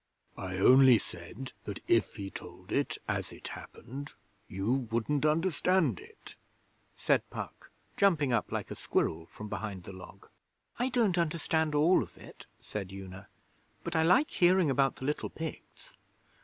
'I only said that if he told it as it happened you wouldn't understand it,' said Puck, jumping up like a squirrel from behind the log. 'I don't understand all of it,' said Una, 'but I like hearing about the little Picts.'